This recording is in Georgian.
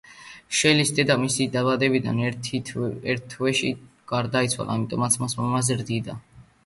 შელის დედა მისი დაბადებიდან ერთ თვეში გარდაიცვალა, ამიტომ მას მამა ზრდიდა.